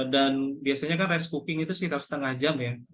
dan biasanya kan rice cooking itu sekitar setengah jam ya